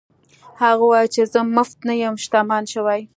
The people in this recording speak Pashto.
هغه وویل چې زه مفت نه یم شتمن شوی.